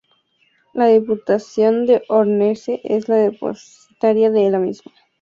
La Diputación de Orense es la depositaria de la misma.